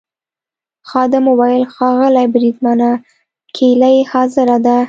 خادم وویل: ښاغلی بریدمنه کیلۍ حاضره ده.